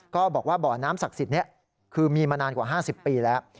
ก็บอกว่าบ่อน้ำศักดิ์สิทธิ์นี้คือมีมานานกว่า๕๐ปีแล้ว